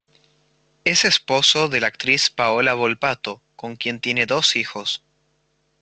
Es esposo de la actriz Paola Volpato, con quien tiene dos hijos.